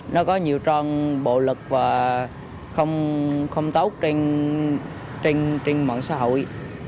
nó có nhiều trang bộ lực và không tốt trên mạng xã hội